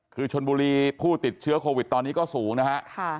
คือชนบุรีผู้ติดเชื้อโควิดตอนนี้ก็สูงนะฮะ